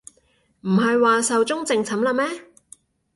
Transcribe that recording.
唔係話壽終正寢喇咩